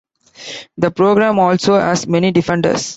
The program also has many defenders.